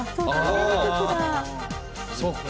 そうか。